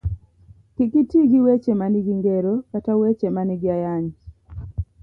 Kik iti gi weche manigi ngero kata weche manigi ayany.